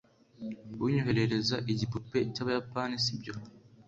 Unyoherereza igipupe cyabayapani, sibyo?